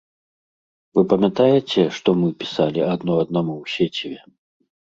Вы памятаеце, што мы пісалі адно аднаму ў сеціве?